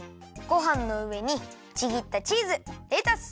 ごはんのうえにちぎったチーズレタス